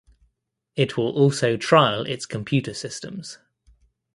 It will also trial its computer systems.